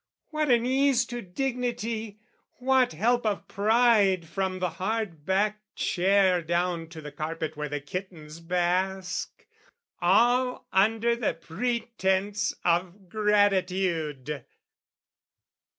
What an ease to dignity, What help of pride from the hard high backed chair Down to the carpet where the kittens bask, All under the pretence of gratitude!